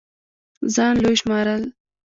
ځان لوے شمارل